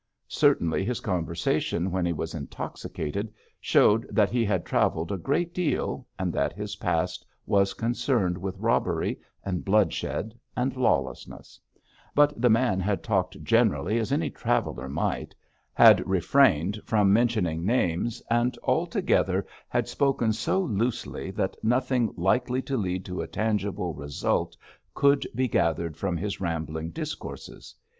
Certainly his conversation when he was intoxicated showed that he had travelled a great deal, and that his past was concerned with robbery, and bloodshed, and lawlessness; but the man had talked generally as any traveller might, had refrained from mentioning names, and altogether had spoken so loosely that nothing likely to lead to a tangible result could be gathered from his rambling discourses.